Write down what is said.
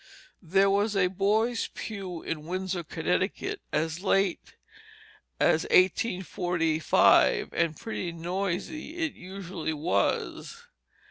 There was a boys' pew in Windsor, Connecticut, as late as 1845, and pretty noisy it usually was.